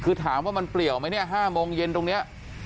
คือถามว่ามันเปลี่ยวไหมเนี่ย๕โมงเย็นตรงนี้